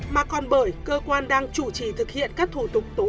mà còn bởi cơ quan đang chủ trì thực hiện các thủ tục tố tụng